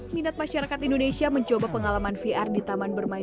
minat masyarakat indonesia mencoba pengalaman vr di taman bermain